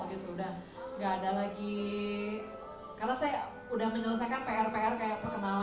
gak ada lagi karena saya sudah menyelesaikan pr pr kayak perkenalan karakter yang mendalam dan sebagainya